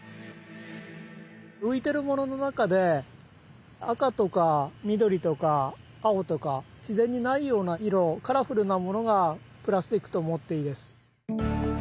浮いてるものの中で赤とか緑とか青とか自然にないような色カラフルなものがプラスチックと思っていいです。